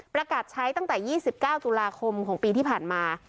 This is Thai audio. ประกาศใช้ตั้งแต่๒๙ตุลาคมของปีที่ผ่านมา